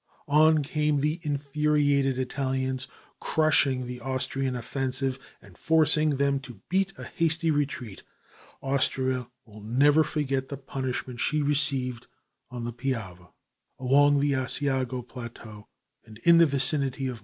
On came the infuriated Italians, crushing the Austrian offensive and forcing them to beat a hasty retreat. Austria will never forget the punishment she received on the Piave (pee ah vuh), along the Asiago plateau, and in the vicinity of Monta Grappa.